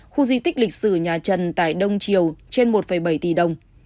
khu di tích lịch sử nhà trần tải đông triều trên một bảy tỷ đồng